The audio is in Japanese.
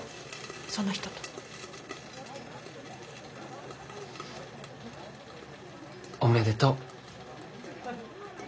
その人と。おめでとう。